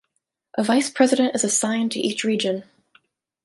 A vice president is assigned to each region.